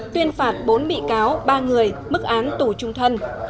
tuyên phạt bốn bị cáo ba người mức án tù trung thân